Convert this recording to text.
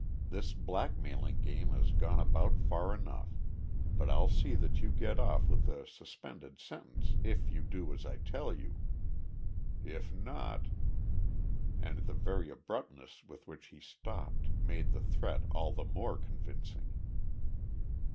This blackmailing game has gone about far enough, but I'll see that you get off with a suspended sentence if you do as I tell you. If not " and the very abruptness with which he stopped made the threat all the more convincing.